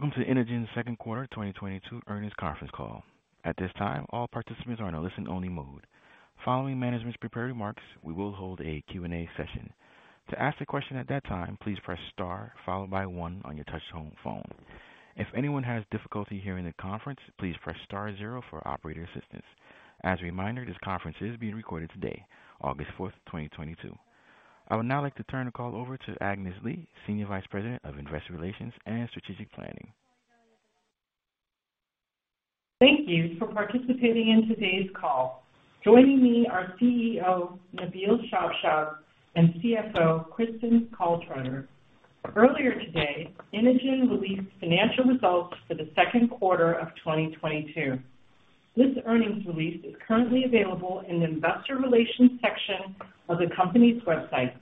Welcome to the Inogen second quarter 2022 earnings conference call. At this time, all participants are in a listen-only mode. Following management's prepared remarks, we will hold a Q&A session. To ask a question at that time, please press star followed by one on your touch-tone phone. If anyone has difficulty hearing the conference, please press star zero for operator assistance. As a reminder, this conference is being recorded today, August 4, 2022. I would now like to turn the call over to Agnes Lee, Senior Vice President of Investor Relations and Strategic Planning. Thank you for participating in today's call. Joining me are CEO Nabil Shabshab and CFO Kristin Caltrider. Earlier today, Inogen released financial results for the second quarter of 2022. This earnings release is currently available in the investor relations section of the company's website,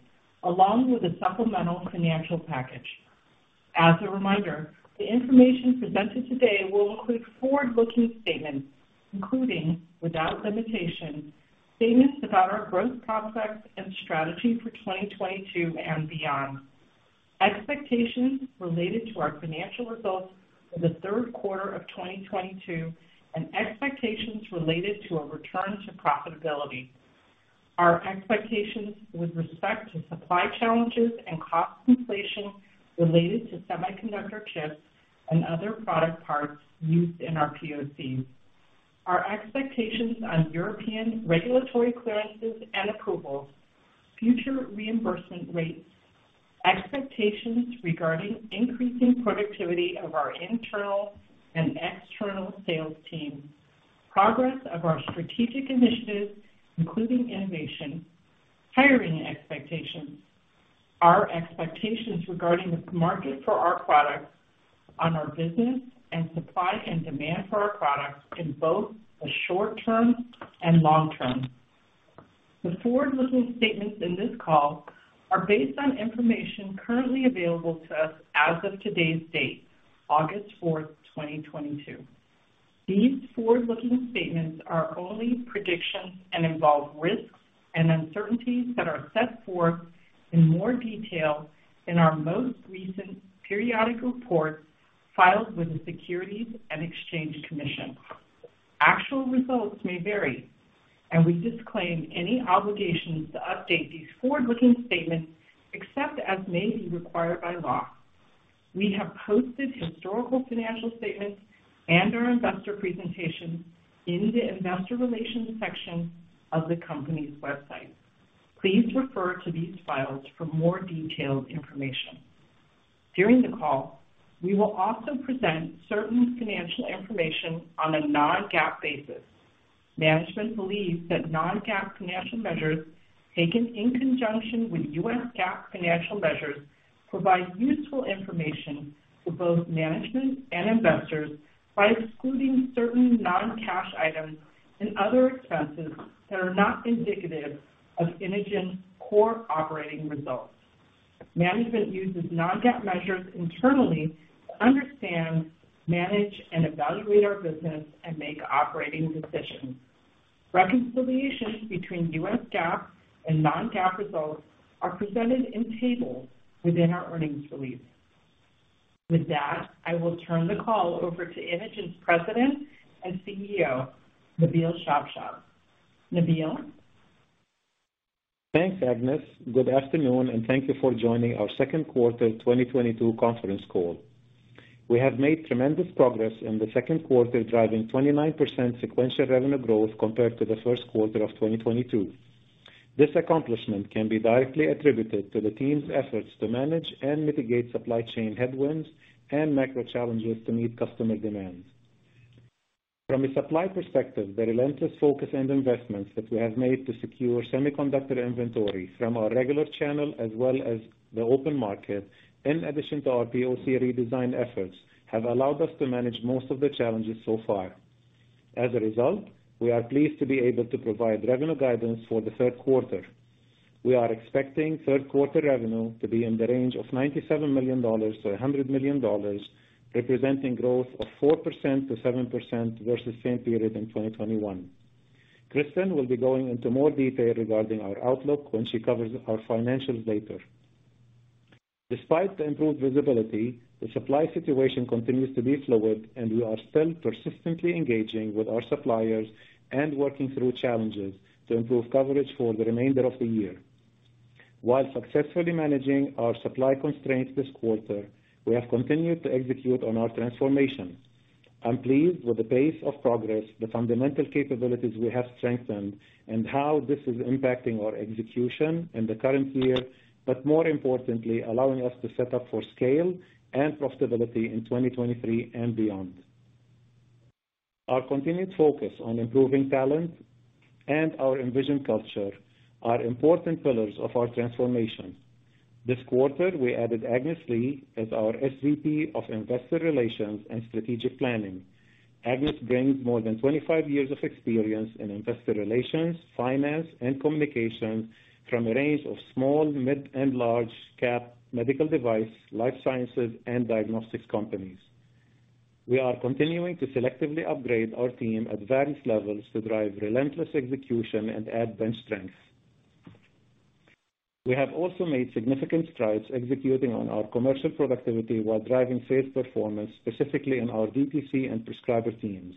along with a supplemental financial package. As a reminder, the information presented today will include forward-looking statements, including, without limitation, statements about our growth prospects and strategy for 2022 and beyond, expectations related to our financial results for the third quarter of 2022, and expectations related to a return to profitability. Our expectations with respect to supply challenges and cost inflation related to semiconductor chips and other product parts used in our POCs. Our expectations on European regulatory clearances and approvals, future reimbursement rates, expectations regarding increasing productivity of our internal and external sales team, progress of our strategic initiatives, including innovation, hiring expectations, our expectations regarding the market for our products and our business, and supply and demand for our products in both the short term and long term. The forward-looking statements in this call are based on information currently available to us as of today's date, August 4, 2022. These forward-looking statements are only predictions and involve risks and uncertainties that are set forth in more detail in our most recent periodic reports filed with the Securities and Exchange Commission. Actual results may vary, and we disclaim any obligations to update these forward-looking statements except as may be required by law. We have posted historical financial statements and our investor presentation in the investor relations section of the company's website. Please refer to these files for more detailed information. During the call, we will also present certain financial information on a non-GAAP basis. Management believes that non-GAAP financial measures, taken in conjunction with U.S. GAAP financial measures, provide useful information for both management and investors by excluding certain non-cash items and other expenses that are not indicative of Inogen's core operating results. Management uses non-GAAP measures internally to understand, manage, and evaluate our business and make operating decisions. Reconciliations between U.S. GAAP and non-GAAP results are presented in tables within our earnings release. With that, I will turn the call ove r to Inogen's President and CEO, Nabil Shabshab. Nabil? Thanks, Agnes. Good afternoon, and thank you for joining our second quarter 2022 conference call. We have made tremendous progress in the second quarter, driving 29% sequential revenue growth compared to the first quarter of 2022. This accomplishment can be directly attributed to the team's efforts to manage and mitigate supply chain headwinds and macro challenges to meet customer demands. From a supply perspective, the relentless focus and investments that we have made to secure semiconductor inventory from our regular channel as well as the open market, in addition to our POC redesign efforts, have allowed us to manage most of the challenges so far. As a result, we are pleased to be able to provide revenue guidance for the third quarter. We are expecting third quarter revenue to be in the range of $97 million-$100 million, representing growth of 4%-7% versus same period in 2021. Kristin will be going into more detail regarding our outlook when she covers our financials later. Despite the improved visibility, the supply situation continues to be fluid and we are still persistently engaging with our suppliers and working through challenges to improve coverage for the remainder of the year. While successfully managing our supply constraints this quarter, we have continued to execute on our transformation. I'm pleased with the pace of progress, the fundamental capabilities we have strengthened, and how this is impacting our execution in the current year, but more importantly, allowing us to set up for scale and profitability in 2023 and beyond. Our continued focus on improving talent and our envisioned culture are important pillars of our transformation. This quarter, we added Agnes Lee as our SVP of Investor Relations and Strategic Planning. Agnes brings more than 25 years of experience in investor relations, finance, and communications from a range of small, mid, and large cap medical device, life sciences, and diagnostics companies. We are continuing to selectively upgrade our team at various levels to drive relentless execution and add bench strength. We have also made significant strides executing on our commercial productivity while driving sales performance, specifically in our DTC and prescriber teams.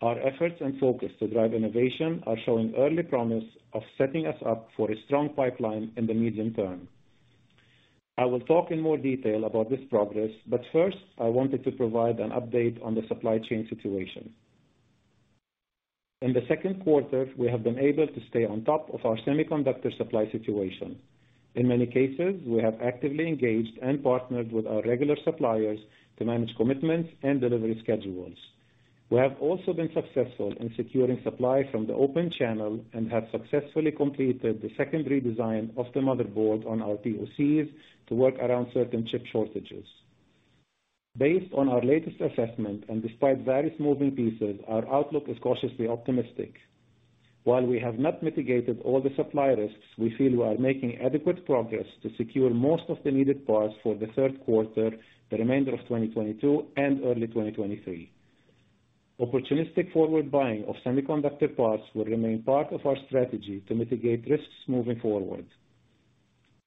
Our efforts and focus to drive innovation are showing early promise of setting us up for a strong pipeline in the medium term. I will talk in more detail about this progress, but first, I wanted to provide an update on the supply chain situation. In the second quarter, we have been able to stay on top of our semiconductor supply situation. In many cases, we have actively engaged and partnered with our regular suppliers to manage commitments and delivery schedules. We have also been successful in securing supply from the open channel and have successfully completed the second redesign of the motherboard on our POCs to work around certain chip shortages. Based on our latest assessment and despite various moving pieces, our outlook is cautiously optimistic. While we have not mitigated all the supply risks, we feel we are making adequate progress to secure most of the needed parts for the third quarter, the remainder of 2022 and early 2023. Opportunistic forward buying of semiconductor parts will remain part of our strategy to mitigate risks moving forward.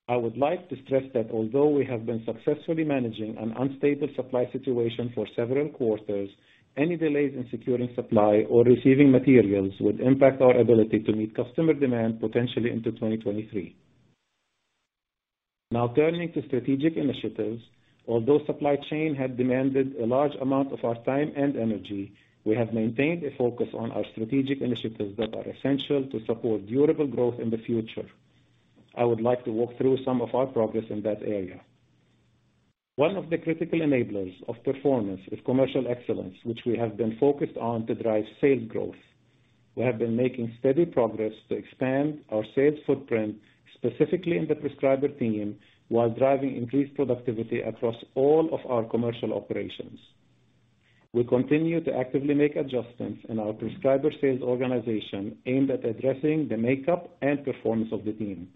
I would like to stress that although we have been successfully managing an unstable supply situation for several quarters, any delays in securing supply or receiving materials would impact our ability to meet customer demand potentially into 2023. Now turning to strategic initiatives. Although supply chain had demanded a large amount of our time and energy, we have maintained a focus on our strategic initiatives that are essential to support durable growth in the future. I would like to walk through some of our progress in that area. One of the critical enablers of performance is commercial excellence, which we have been focused on to drive sales growth. We have been making steady progress to expand our sales footprint, specifically in the prescriber team, while driving increased productivity across all of our commercial operations. We continue to actively make adjustments in our prescriber sales organization aimed at addressing the makeup and performance of the team.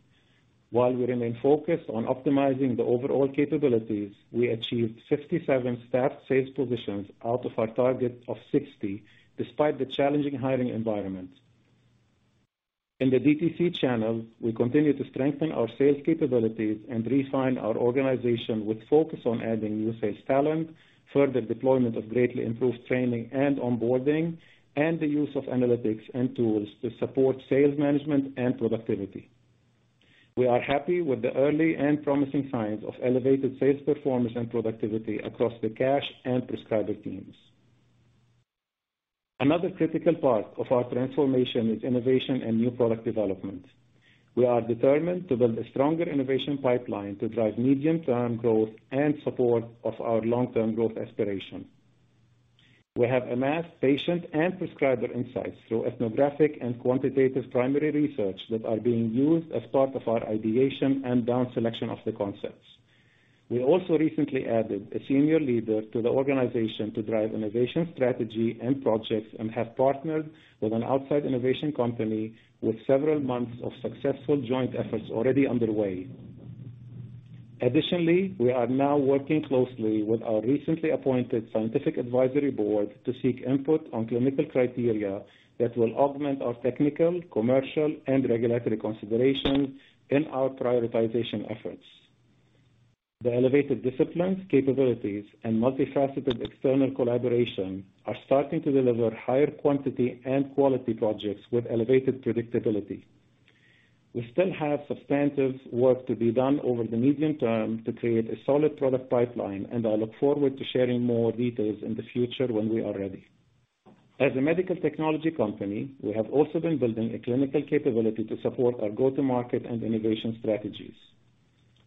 While we remain focused on optimizing the overall capabilities, we achieved 57 staff sales positions out of our target of 60, despite the challenging hiring environment. In the DTC channel, we continue to strengthen our sales capabilities and refine our organization with focus on adding new sales talent, further deployment of greatly improved training and onboarding, and the use of analytics and tools to support sales management and productivity. We are happy with the early and promising signs of elevated sales performance and productivity across the cash and prescriber teams. Another critical part of our transformation is innovation and new product development. We are determined to build a stronger innovation pipeline to drive medium-term growth and support of our long-term growth aspiration. We have amassed patient and prescriber insights through ethnographic and quantitative primary research that are being used as part of our ideation and down selection of the concepts. We also recently added a senior leader to the organization to drive innovation strategy and projects, and have partnered with an outside innovation company with several months of successful joint efforts already underway. Additionally, we are now working closely with our recently appointed scientific advisory board to seek input on clinical criteria that will augment our technical, commercial, and regulatory consideration in our prioritization efforts. The elevated disciplines, capabilities, and multifaceted external collaboration are starting to deliver higher quantity and quality projects with elevated predictability. We still have substantive work to be done over the medium term to create a solid product pipeline, and I look forward to sharing more details in the future when we are ready. As a medical technology company, we have also been building a clinical capability to support our go-to-market and innovation strategies.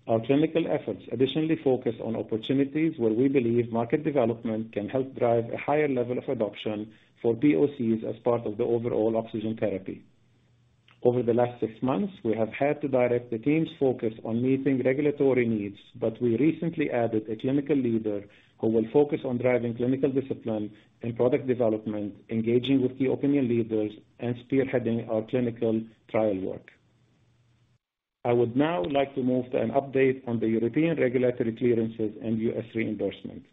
Our clinical efforts additionally focus on opportunities where we believe market development can help drive a higher level of adoption for POCs as part of the overall oxygen therapy. Over the last six months, we have had to direct the team's focus on meeting regulatory needs, but we recently added a clinical leader who will focus on driving clinical discipline and product development, engaging with key opinion leaders, and spearheading our clinical trial work. I would now like to move to an update on the European regulatory clearances and U.S. reimbursement.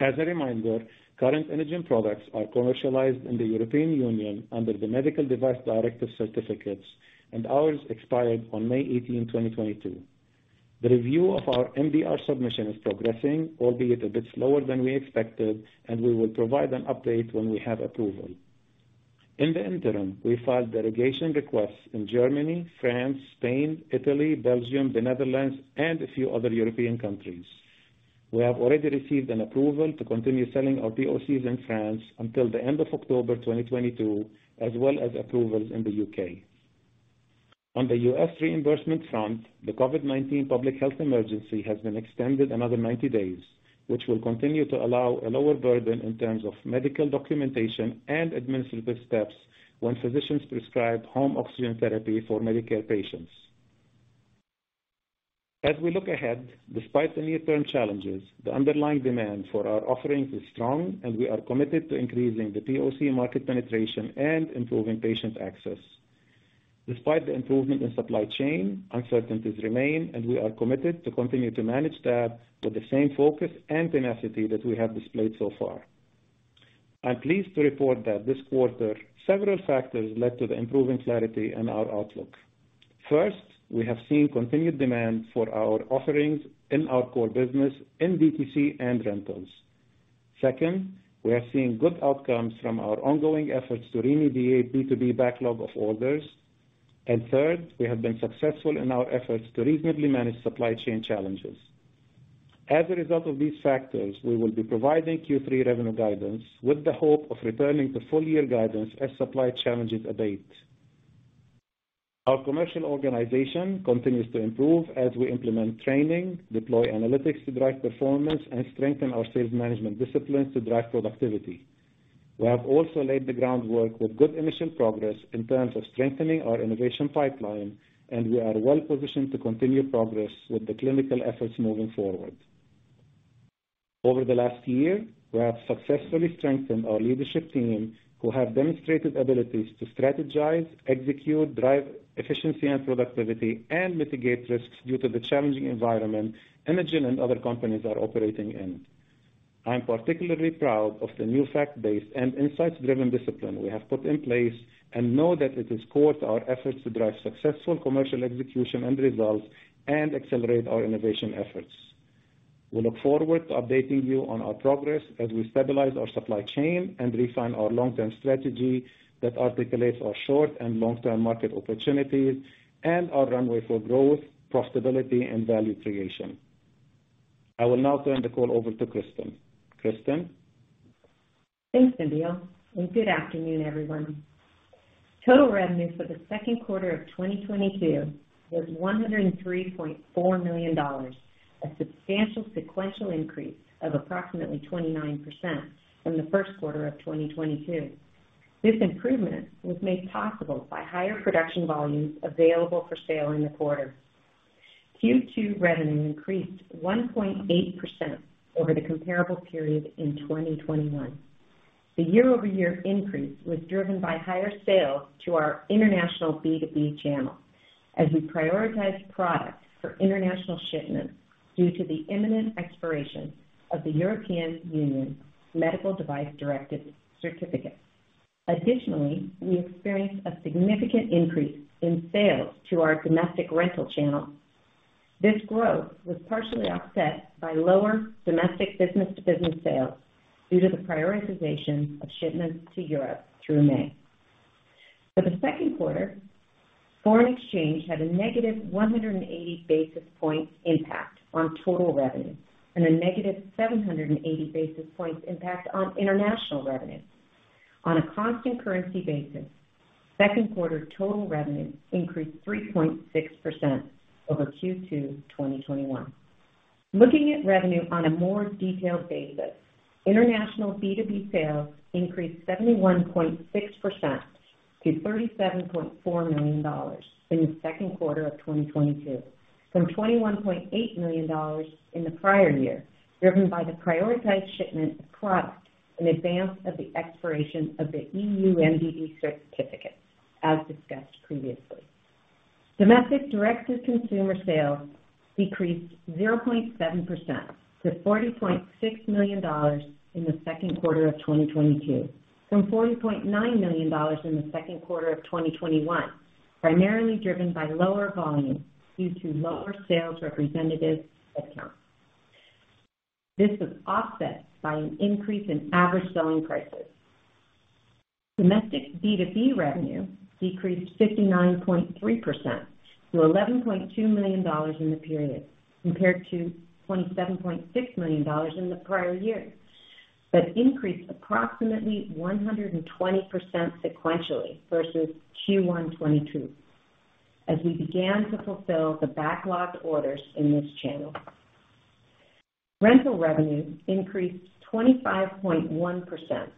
As a reminder, current Inogen products are commercialized in the European Union under the Medical Device Directive certificates, and ours expired on May 18, 2022. The review of our MDR submission is progressing, albeit a bit slower than we expected, and we will provide an update when we have approval. In the interim, we filed delegation requests in Germany, France, Spain, Italy, Belgium, the Netherlands, and a few other European countries. We have already received an approval to continue selling our POCs in France until the end of October 2022, as well as approvals in the U.K. On the U.S. reimbursement front, the COVID-19 public health emergency has been extended another 90 days, which will continue to allow a lower burden in terms of medical documentation and administrative steps when physicians prescribe home oxygen therapy for Medicare patients. As we look ahead, despite the near-term challenges, the underlying demand for our offerings is strong, and we are committed to increasing the POC market penetration and improving patient access. Despite the improvement in supply chain, uncertainties remain, and we are committed to continue to manage that with the same focus and tenacity that we have displayed so far. I'm pleased to report that this quarter several factors led to the improving clarity in our outlook. First, we have seen continued demand for our offerings in our core business in DTC and rentals. Second, we are seeing good outcomes from our ongoing efforts to remediate B2B backlog of orders. Third, we have been successful in our efforts to reasonably manage supply chain challenges. As a result of these factors, we will be providing Q3 revenue guidance with the hope of returning to full year guidance as supply challenges abate. Our commercial organization continues to improve as we implement training, deploy analytics to drive performance, and strengthen our sales management disciplines to drive productivity. We have also laid the groundwork with good initial progress in terms of strengthening our innovation pipeline, and we are well-positioned to continue progress with the clinical efforts moving forward. Over the last year, we have successfully strengthened our leadership team who have demonstrated abilities to strategize, execute, drive efficiency and productivity, and mitigate risks due to the challenging environment Inogen and other companies are operating in. I am particularly proud of the new fact-based and insights-driven discipline we have put in place and know that it is core to our efforts to drive successful commercial execution and results and accelerate our innovation efforts. We look forward to updating you on our progress as we stabilize our supply chain and refine our long-term strategy that articulates our short and long-term market opportunities and our runway for growth, profitability and value creation. I will now turn the call over to Kristin. Kristin? Thanks, Nabil, and good afternoon, everyone. Total revenue for the second quarter of 2022 was $103.4 million, a substantial sequential increase of approximately 29% from the first quarter of 2022. This improvement was made possible by higher production volumes available for sale in the quarter. Q2 revenue increased 1.8% over the comparable period in 2021. The year-over-year increase was driven by higher sales to our international B2B channel as we prioritized products for international shipments due to the imminent expiration of the European Union Medical Device Directive certificate. Additionally, we experienced a significant increase in sales to our domestic rental channel. This growth was partially offset by lower domestic business-to-business sales due to the prioritization of shipments to Europe through May. For the second quarter, foreign exchange had a -180 basis points impact on total revenue and a -780 basis points impact on international revenue. On a constant currency basis, second quarter total revenue increased 3.6% over Q2 2021. Looking at revenue on a more detailed basis, international B2B sales increased 71.6% to $37.4 million in the second quarter of 2022 from $21.8 million in the prior year, driven by the prioritized shipment of product in advance of the expiration of the EU MDD certificate, as discussed previously. Domestic direct-to-consumer sales decreased 0.7% to $40.6 million in the second quarter of 2022 from $40.9 million in the second quarter of 2021, primarily driven by lower volumes due to lower sales representative accounts. This was offset by an increase in average selling prices. Domestic B2B revenue decreased 59.3% to $11.2 million in the period, compared to $27.6 million in the prior year, but increased approximately 120% sequentially versus Q1 2022 as we began to fulfill the backlogged orders in this channel. Rental revenue increased 25.1%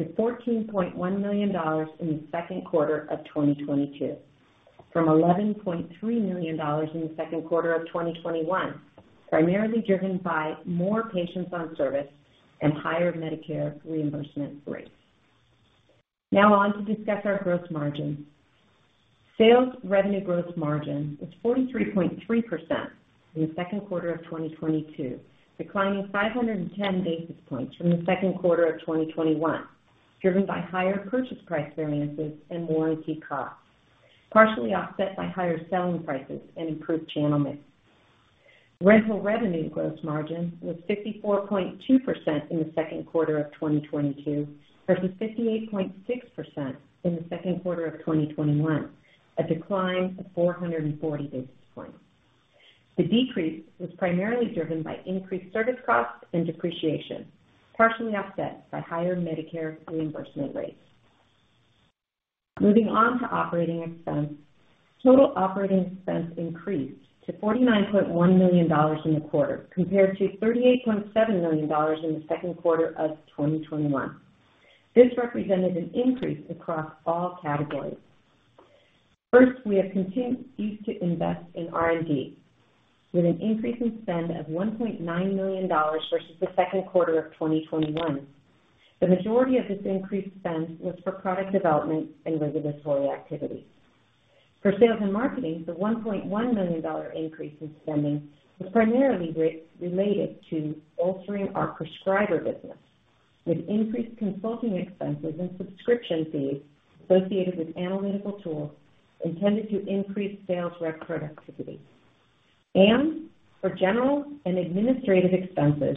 to $14.1 million in the second quarter of 2022 from $11.3 million in the second quarter of 2021, primarily driven by more patients on service and higher Medicare reimbursement rates. Now on to discuss our gross margin. Sales revenue gross margin was 43.3% in the second quarter of 2022, declining 510 basis points from the second quarter of 2021, driven by higher purchase price variances and warranty costs, partially offset by higher selling prices and improved channel mix. Rental revenue gross margin was 54.2% in the second quarter of 2022 versus 58.6% in the second quarter of 2021, a decline of 440 basis points. The decrease was primarily driven by increased service costs and depreciation, partially offset by higher Medicare reimbursement rates. Moving on to operating expense. Total operating expense increased to $49.1 million in the quarter compared to $38.7 million in the second quarter of 2021. This represented an increase across all categories. First, we have continued to invest in R&D with an increase in spend of $1.9 million versus the second quarter of 2021. The majority of this increased spend was for product development and regulatory activities. For sales and marketing, the $1.1 million dollar increase in spending was primarily related to altering our prescriber business, with increased consulting expenses and subscription fees associated with analytical tools intended to increase sales rep productivity. For general and administrative expenses,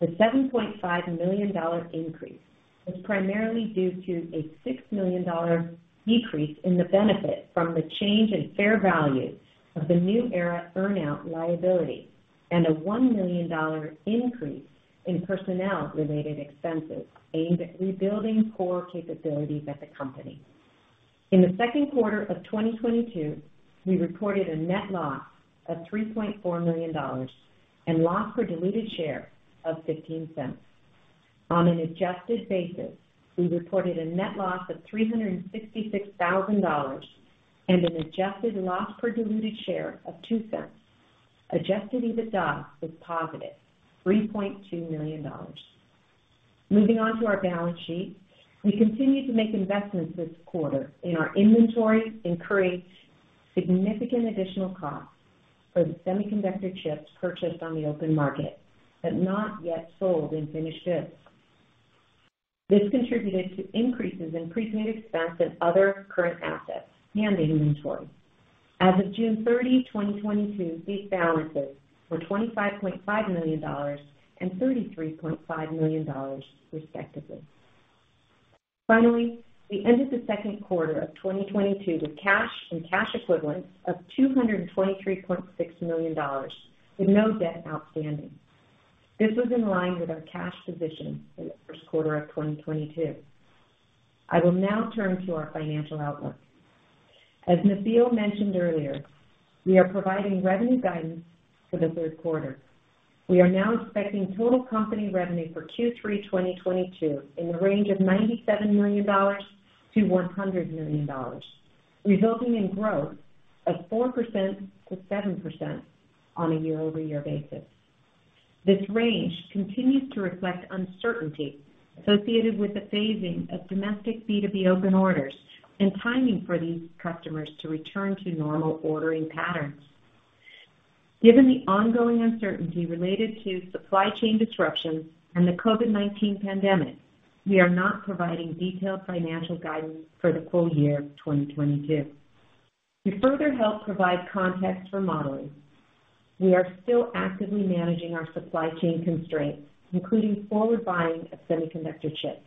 the $7.5 million increase was primarily due to a $6 million decrease in the benefit from the change in fair value of the New Aera earn out liability and a $1 million increase in personnel-related expenses aimed at rebuilding core capabilities at the company. In the second quarter of 2022, we reported a net loss of $3.4 million and loss per diluted share of $0.15. On an adjusted basis, we reported a net loss of $366,000 and an adjusted loss per diluted share of $0.02. Adjusted EBITDA was +$3.2 million. Moving on to our balance sheet. We continued to make investments this quarter in our inventory, incur significant additional costs for the semiconductor chips purchased on the open market, but not yet sold in finished goods. This contributed to increases in prepaid expense and other current assets and inventory. As of June 30, 2022, these balances were $25.5 million and $33.5 million, respectively. Finally, we ended the second quarter of 2022 with cash and cash equivalents of $223.6 million, with no debt outstanding. This was in line with our cash position in the first quarter of 2022. I will now turn to our financial outlook. As Nabil mentioned earlier, we are providing revenue guidance for the third quarter. We are now expecting total company revenue for Q3 2022 in the range of $97 million-$100 million, resulting in growth of 4%-7% on a year-over-year basis. This range continues to reflect uncertainty associated with the phasing of domestic B2B open orders and timing for these customers to return to normal ordering patterns. Given the ongoing uncertainty related to supply chain disruptions and the COVID-19 pandemic, we are not providing detailed financial guidance for the full year of 2022. To further help provide context for modeling, we are still actively managing our supply chain constraints, including forward buying of semiconductor chips.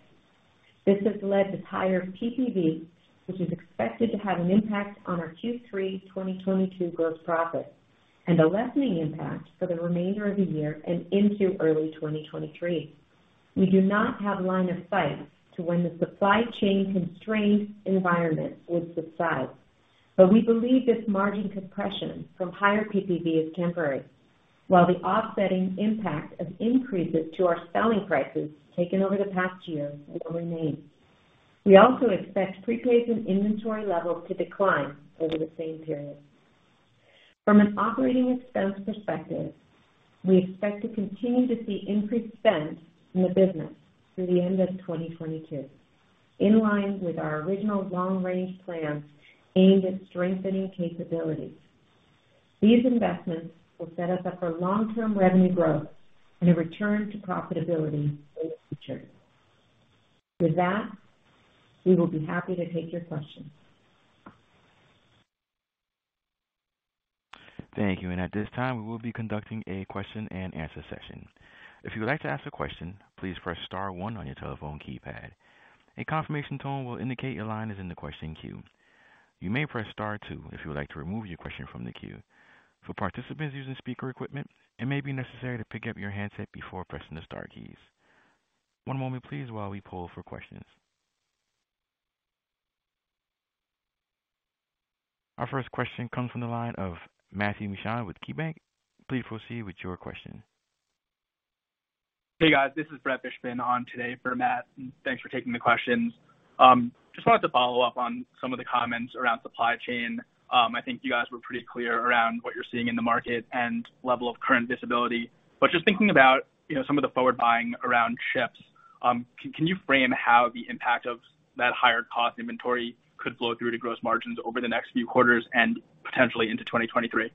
This has led to higher PPV, which is expected to have an impact on our Q3 2022 gross profit and a lessening impact for the remainder of the year and into early 2023. We do not have line of sight to when the supply chain constraint environment will subside, but we believe this margin compression from higher PPV is temporary, while the offsetting impact of increases to our selling prices taken over the past year will remain. We also expect prepaid and inventory levels to decline over the same period. From an operating expense perspective, we expect to continue to see increased spend in the business through the end of 2022, in line with our original long-range plans aimed at strengthening capabilities. These investments will set us up for long-term revenue growth and a return to profitability in the future. With that, we will be happy to take your questions. Thank you. At this time, we will be conducting a question-and-answer session. If you would like to ask a question, please press star one on your telephone keypad. A confirmation tone will indicate your line is in the question queue. You may press star two if you would like to remove your question from the queue. For participants using speaker equipment, it may be necessary to pick up your handset before pressing the star keys. One moment please while we poll for questions. Our first question comes from the line of Matthew Mishan with KeyBanc. Please proceed with your question. Hey, guys, this is Brett Fishbin on today for Matt, and thanks for taking the questions. Just wanted to follow up on some of the comments around supply chain. I think you guys were pretty clear around what you're seeing in the market and level of current visibility. Just thinking about, you know, some of the forward buying around chips, can you frame how the impact of that higher cost inventory could flow through to gross margins over the next few quarters and potentially into 2023?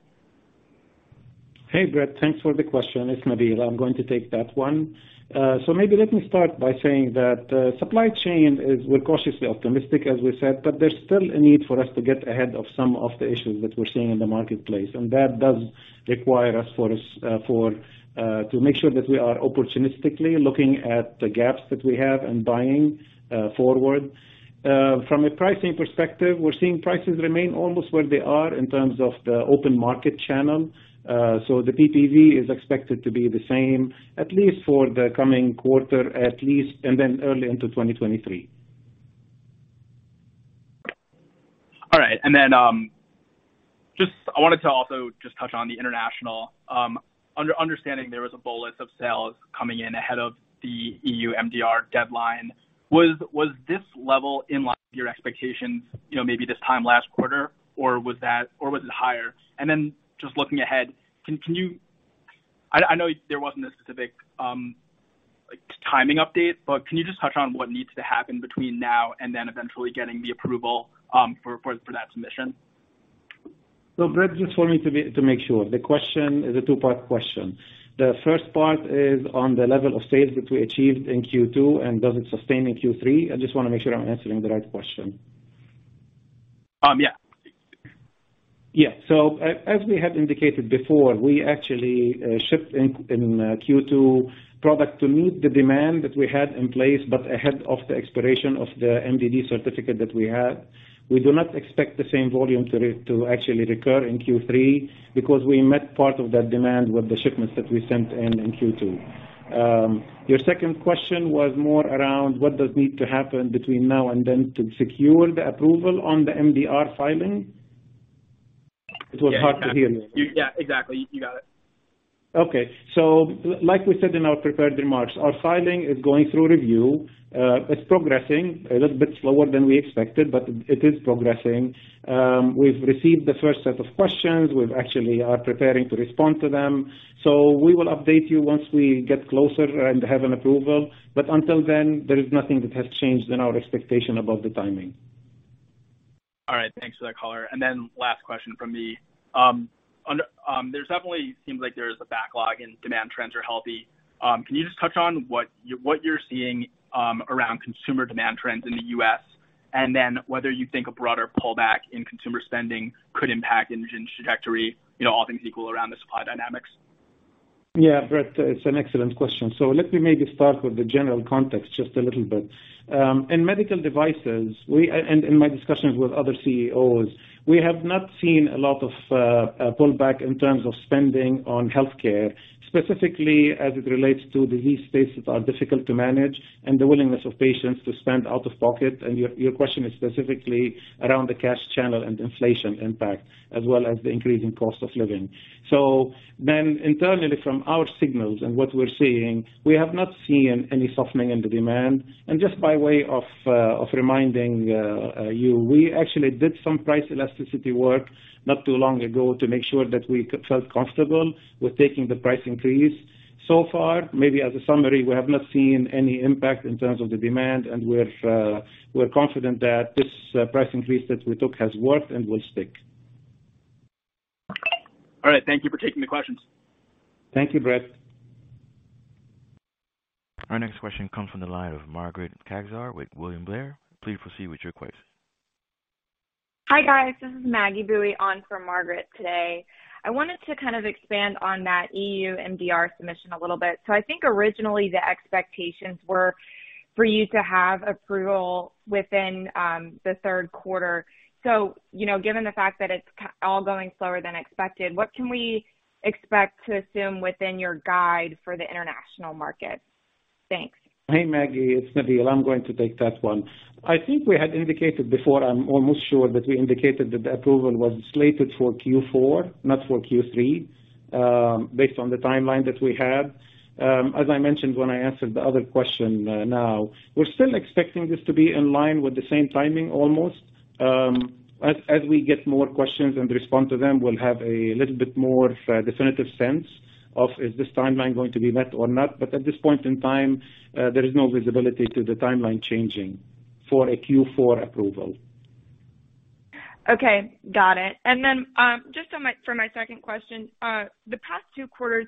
Hey, Brett, thanks for the question. It's Nabil. I'm going to take that one. Maybe let me start by saying that supply chain, we're cautiously optimistic, as we said, but there's still a need for us to get ahead of some of the issues that we're seeing in the marketplace, and that does require us to make sure that we are opportunistically looking at the gaps that we have and buying forward. From a pricing perspective, we're seeing prices remain almost where they are in terms of the open market channel. The PPV is expected to be the same at least for the coming quarter, at least, and then early into 2023. All right. I wanted to also just touch on the international. Understanding there was a bolus of sales coming in ahead of the EU MDR deadline. Was this level in line with your expectations, you know, maybe this time last quarter, or was it higher? Just looking ahead, I know there wasn't a specific like timing update, but can you just touch on what needs to happen between now and then eventually getting the approval for that submission? Brett, just for me to make sure, the question is a two-part question. The first part is on the level of sales that we achieved in Q2 and does it sustain in Q3? I just wanna make sure I'm answering the right question. Yeah. As we had indicated before, we actually shipped in Q2 product to meet the demand that we had in place, but ahead of the expiration of the MDD certificate that we had. We do not expect the same volume to actually recur in Q3 because we met part of that demand with the shipments that we sent in Q2. Your second question was more around what does need to happen between now and then to secure the approval on the MDR filing. It was hard to hear me. Yeah, exactly. You got it. Okay. Like we said in our prepared remarks, our filing is going through review. It's progressing a little bit slower than we expected, but it is progressing. We've received the first set of questions. We actually are preparing to respond to them. We will update you once we get closer and have an approval. Until then, there is nothing that has changed in our expectation about the timing. All right. Thanks for that color. Then last question from me. There's definitely seems like there is a backlog and demand trends are healthy. Can you just touch on what you're seeing around consumer demand trends in the U.S., and then whether you think a broader pullback in consumer spending could impact Inogen trajectory, you know, all things equal around the supply dynamics? Yeah. Brett, it's an excellent question. Let me maybe start with the general context just a little bit. In medical devices and in my discussions with other CEOs, we have not seen a lot of pullback in terms of spending on healthcare, specifically as it relates to disease states that are difficult to manage and the willingness of patients to spend out of pocket. Your question is specifically around the cash channel and inflation impact, as well as the increasing cost of living. Internally from our signals and what we're seeing, we have not seen any softening in the demand. Just by way of reminding you, we actually did some price elasticity work not too long ago to make sure that we felt comfortable with taking the price increase. So far, maybe as a summary, we have not seen any impact in terms of the demand, and we're confident that this price increase that we took has worked and will stick. All right. Thank you for taking the questions. Thank you, Brett. Our next question comes from the line of Margaret Kaczor with William Blair. Please proceed with your question. Hi, guys. This is Maggie Boeye on for Margaret today. I wanted to kind of expand on that EU MDR submission a little bit. I think originally the expectations were for you to have approval within the third quarter. You know, given the fact that it's all going slower than expected, what can we expect to assume within your guide for the international markets? Thanks. Hey, Maggie, it's Nabil. I'm going to take that one. I think we had indicated before, I'm almost sure that we indicated that the approval was slated for Q4, not for Q3, based on the timeline that we had. As I mentioned when I answered the other question, now, we're still expecting this to be in line with the same timing almost. As we get more questions and respond to them, we'll have a little bit more definitive sense of is this timeline going to be met or not. At this point in time, there is no visibility to the timeline changing for a Q4 approval. Okay. Got it. Just for my second question, the past two quarters,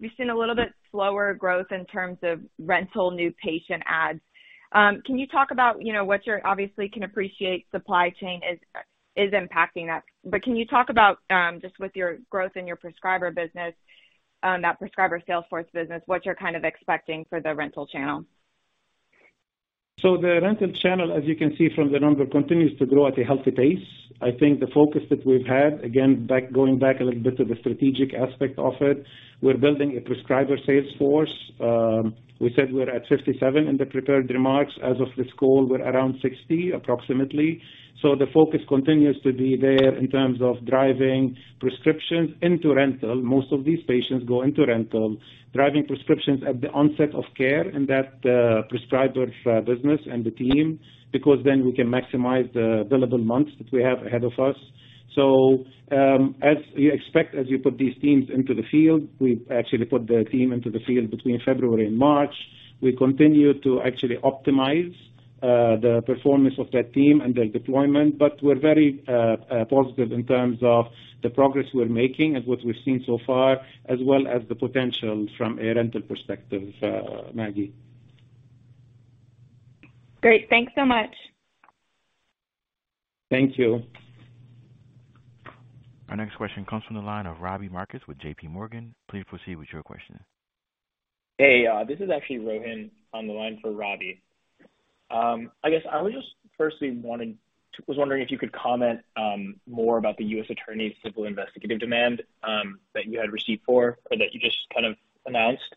we've seen a little bit slower growth in terms of rental new patient adds. Can you talk about, you know, obviously I can appreciate the supply chain is impacting that? Can you talk about just with your growth in your prescriber business, that prescriber sales force business, what you're kind of expecting for the rental channel? The rental channel, as you can see from the number, continues to grow at a healthy pace. I think the focus that we've had, again, going back a little bit to the strategic aspect of it, we're building a prescriber sales force. We said we're at 57 in the prepared remarks. As of this call, we're around 60 approximately. The focus continues to be there in terms of driving prescriptions into rental. Most of these patients go into rental, driving prescriptions at the onset of care in that prescriber business and the team, because then we can maximize the billable months that we have ahead of us. As you expect, as you put these teams into the field, we actually put the team into the field between February and March. We continue to actually optimize the performance of that team and their deployment, but we're very positive in terms of the progress we're making and what we've seen so far, as well as the potential from a rental perspective, Maggie. Great. Thanks so much. Thank you. Our next question comes from the line of Robbie Marcus with JPMorgan. Please proceed with your question. This is actually Rohin on the line for Robbie. I guess I was just wondering if you could comment more about the U.S. Attorney's civil investigative demand that you had received or that you just kind of announced,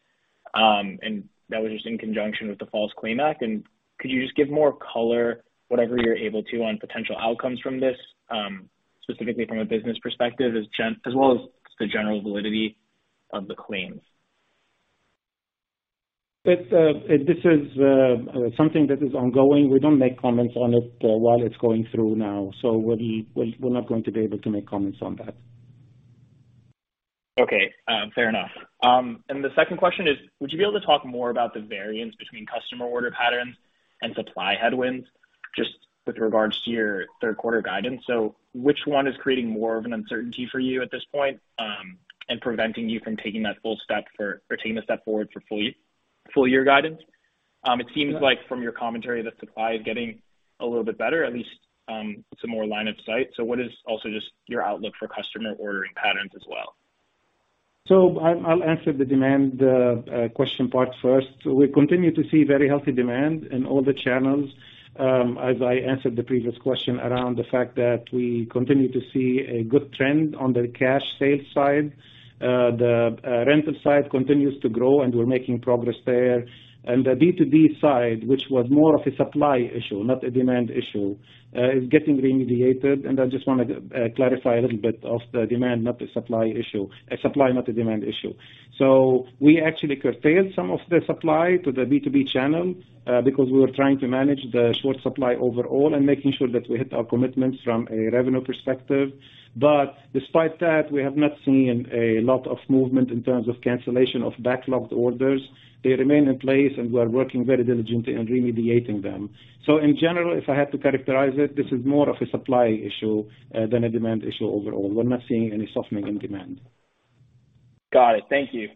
and that was just in conjunction with the False Claims Act. Could you just give more color, whatever you're able to, on potential outcomes from this, specifically from a business perspective as well as the general validity of the claims? This is something that is ongoing. We don't make comments on it while it's going through now, so we're not going to be able to make comments on that. Okay. Fair enough. The second question is, would you be able to talk more about the variance between customer order patterns and supply headwinds just with regards to your third quarter guidance? Which one is creating more of an uncertainty for you at this point, and preventing you from taking a step forward for full-year guidance? It seems like from your commentary that supply is getting a little bit better, at least some more line of sight. What is also just your outlook for customer ordering patterns as well? I'll answer the demand question part first. We continue to see very healthy demand in all the channels. As I answered the previous question around the fact that we continue to see a good trend on the cash sales side. The rental side continues to grow, and we're making progress there. The B2B side, which was more of a supply issue, not a demand issue, is getting remediated. I just wanted to clarify that it was a supply, not a demand issue. We actually curtailed some of the supply to the B2B channel because we were trying to manage the short supply overall and making sure that we hit our commitments from a revenue perspective. Despite that, we have not seen a lot of movement in terms of cancellation of backlogged orders. They remain in place, and we're working very diligently on remediating them. In general, if I had to characterize it, this is more of a supply issue than a demand issue overall. We're not seeing any softening in demand. Got it. Thank you.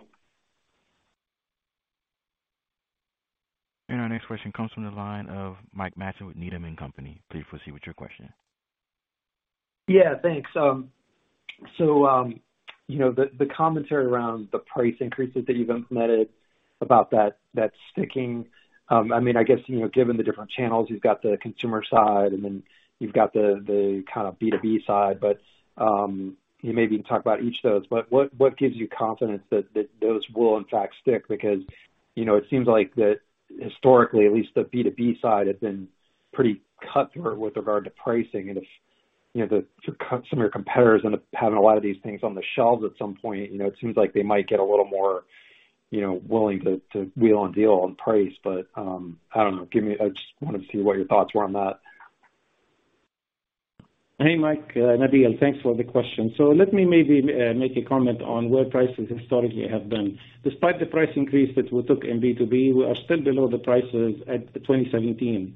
Our next question comes from the line of Mike Matson with Needham & Company. Please proceed with your question. Yeah, thanks. So, you know, the commentary around the price increases that you've implemented about that's sticking. I mean, I guess, you know, given the different channels, you've got the consumer side and then you've got the kind of B2B side, but you maybe can talk about each of those. What gives you confidence that those will in fact stick? Because, you know, it seems like that historically at least the B2B side has been pretty cutthroat with regard to pricing. If, you know, some of your competitors end up having a lot of these things on the shelves at some point, you know, it seems like they might get a little more, you know, willing to wheel and deal on price. I don't know. Give me. I just wanted to see what your thoughts were on that. Hey, Mike. Nabil, thanks for the question. Let me maybe make a comment on where prices historically have been. Despite the price increase that we took in B2B, we are still below the prices at 2017.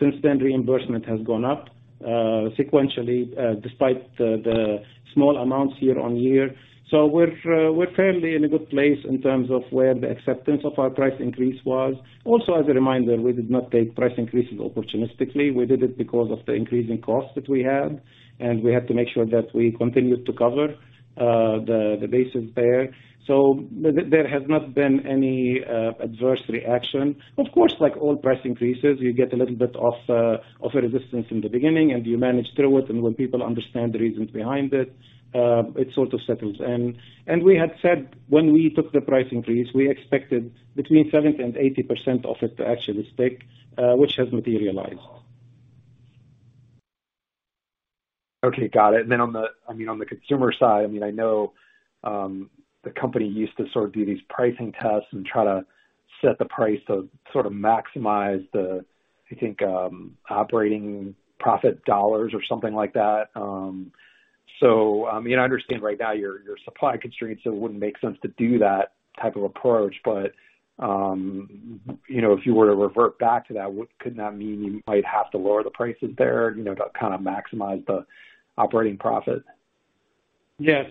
Since then, reimbursement has gone up sequentially, despite the small amounts year on year. We're currently in a good place in terms of where the acceptance of our price increase was. Also, as a reminder, we did not take price increases opportunistically. We did it because of the increasing costs that we had, and we had to make sure that we continued to cover the bases there. There has not been any adverse reaction. Of course, like all price increases, you get a little bit of a resistance in the beginning and you manage through it, and when people understand the reasons behind it sort of settles in. We had said when we took the price increase, we expected between 70% and 80% of it to actually stick, which has materialized. Okay, got it. On the consumer side, I mean, I know the company used to sort of do these pricing tests and try to set the price to sort of maximize the, I think, operating profit dollars or something like that. I mean, I understand right now your supply constraints, so it wouldn't make sense to do that type of approach. You know, if you were to revert back to that, could that mean you might have to lower the prices there, you know, to kind of maximize the operating profit? Yeah.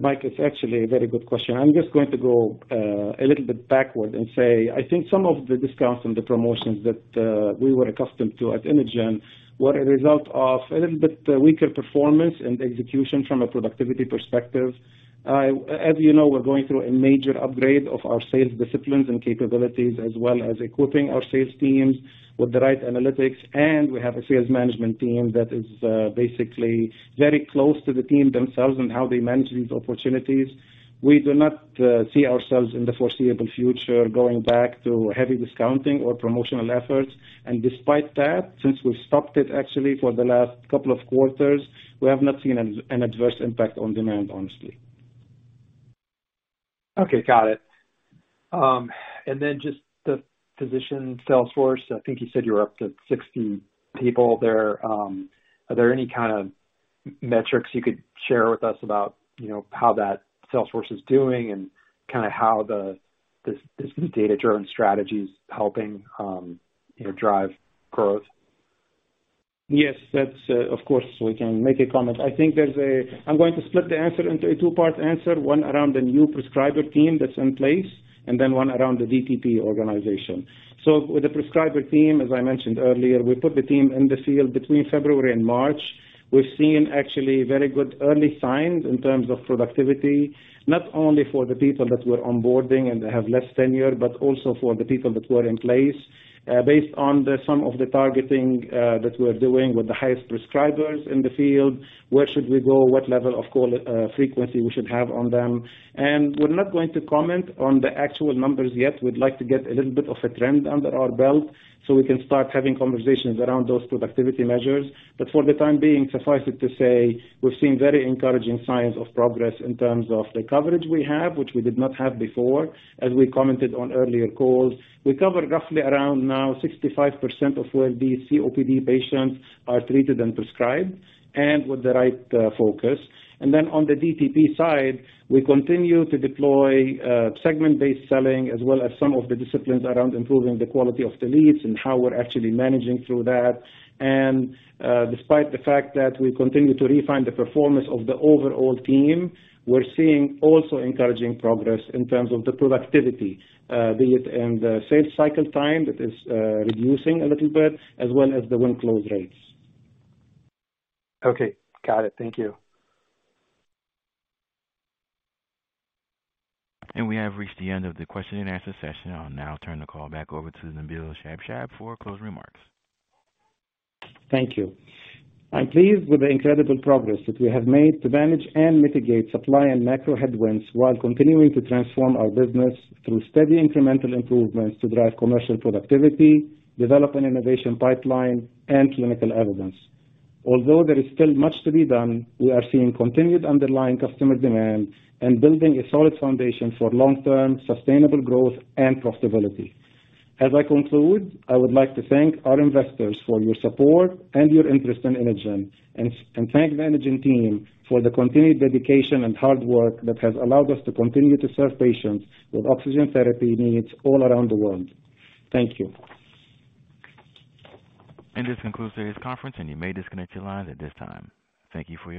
Mike, it's actually a very good question. I'm just going to go a little bit backward and say, I think some of the discounts and the promotions that we were accustomed to at Inogen were a result of a little bit weaker performance and execution from a productivity perspective. As you know, we're going through a major upgrade of our sales disciplines and capabilities, as well as equipping our sales teams with the right analytics. We have a sales management team that is basically very close to the team themselves and how they manage these opportunities. We do not see ourselves in the foreseeable future going back to heavy discounting or promotional efforts. Despite that, since we've stopped it actually for the last couple of quarters, we have not seen an adverse impact on demand, honestly. Okay, got it. Then just the physician sales force. I think you said you were up to 60 people there. Are there any kind of metrics you could share with us about, you know, how that sales force is doing and kind of how this data-driven strategy is helping, you know, drive growth? Yes, that's, of course, we can make a comment. I think I'm going to split the answer into a two-part answer, one around the new prescriber team that's in place and then one around the DTC organization. With the prescriber team, as I mentioned earlier, we put the team in the field between February and March. We've seen actually very good early signs in terms of productivity, not only for the people that were onboarding and have less tenure, but also for the people that were in place. Based on some of the targeting that we're doing with the highest prescribers in the field, where should we go? What level of call frequency we should have on them? We're not going to comment on the actual numbers yet. We'd like to get a little bit of a trend under our belt so we can start having conversations around those productivity measures. For the time being, suffice it to say, we've seen very encouraging signs of progress in terms of the coverage we have, which we did not have before, as we commented on earlier calls. We cover roughly around now 65% of where these COPD patients are treated and prescribed and with the right, focus. Then on the DTC side, we continue to deploy, segment-based selling as well as some of the disciplines around improving the quality of the leads and how we're actually managing through that. Despite the fact that we continue to refine the performance of the overall team, we're seeing also encouraging progress in terms of the productivity, be it in the sales cycle time that is, reducing a little bit as well as the win close rates. Okay. Got it. Thank you. We have reached the end of the question and answer session. I'll now turn the call back over to Nabil Shabshab for closing remarks. Thank you. I'm pleased with the incredible progress that we have made to manage and mitigate supply and macro headwinds while continuing to transform our business through steady incremental improvements to drive commercial productivity, develop an innovation pipeline and clinical evidence. Although there is still much to be done, we are seeing continued underlying customer demand and building a solid foundation for long-term sustainable growth and profitability. As I conclude, I would like to thank our investors for your support and your interest in Inogen, and thank the management team for the continued dedication and hard work that has allowed us to continue to serve patients with oxygen therapy needs all around the world. Thank you. This concludes today's conference, and you may disconnect your lines at this time. Thank you for your participation.